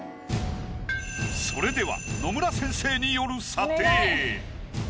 それでは野村先生による。